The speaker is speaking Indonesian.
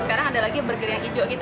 sekarang ada lagi burger yang hijau gitu